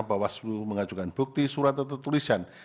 bawaslu mengajukan bukti surat atau tulisan